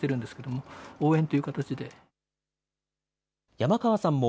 山川さんも、